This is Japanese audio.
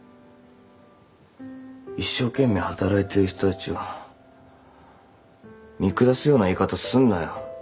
一生懸命働いてる人たちを見下すような言い方すんなよ。